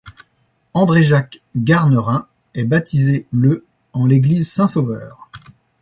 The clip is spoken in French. André-Jacques Garnerin est baptisé le en l'église Saint-Sauveur.